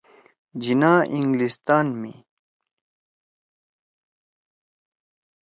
جناح انگلستان می